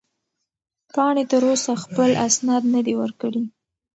پاڼې تر اوسه خپل اسناد نه دي ورکړي.